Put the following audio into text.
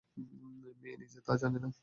মেয়ে নিজে তা জানে না।